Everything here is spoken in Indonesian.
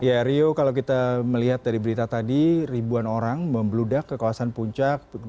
ya rio kalau kita melihat dari berita tadi ribuan orang membludak ke kawasan puncak